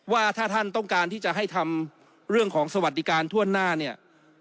ว่าถ้าท่านต้องการที่จะให้ทำเรื่องของสวัสดิการทั่วหน้าเนี่ย